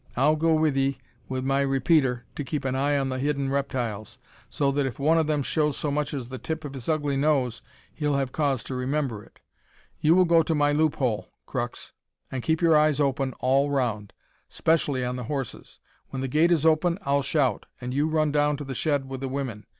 I'll go with 'ee wi' my repeater to keep an eye on the hidden reptiles, so that if one of them shows so much as the tip of his ugly nose he'll have cause to remember it. You will go to my loophole, Crux, an keep your eyes open all round specially on the horses. When the gate is open I'll shout, and you'll run down to the shed wi' the women.